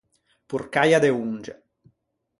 Porcaia de onge.